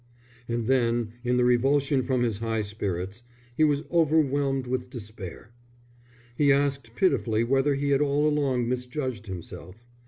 And then, in the revulsion from his high spirits, he was overwhelmed with despair. He asked pitifully whether he had all along misjudged himself.